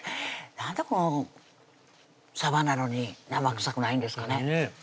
なんでこうさばなのに生臭くないんですかねねぇ